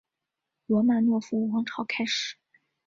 罗曼诺夫王朝开始。